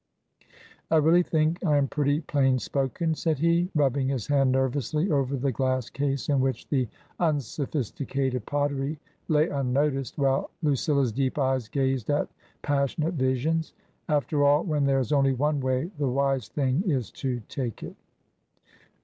" I really think I am pretty plain spoken," said he, rubbing his hand nervously over the glass case in which the " unsophisticated pottery" lay unnoticed, while Lu cilla's deep eyes gazed at passionate visions. " After all, when there is only one way, the wise thing is to take it."